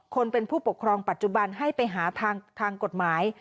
คนเป็นผู้ปกครองปัจจุบันให้ไปหาทางกฎหมาย